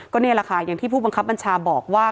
นี่แหละค่ะอย่างที่ผู้บังคับบัญชาบอกว่า